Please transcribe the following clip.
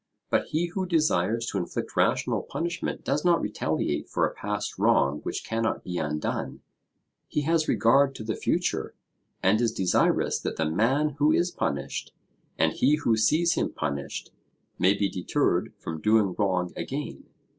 But he who desires to inflict rational punishment does not retaliate for a past wrong which cannot be undone; he has regard to the future, and is desirous that the man who is punished, and he who sees him punished, may be deterred from doing wrong again.